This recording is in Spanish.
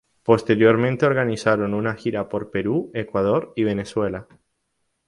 Posteriormente organizaron una gira por Perú, Ecuador y Venezuela.